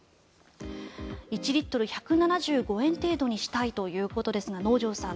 １リットル１７５円程度にしたいということですが能條さん